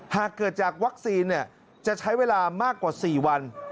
หากเกิดจากวัคซีนจะใช้เวลามากกว่า๔วัน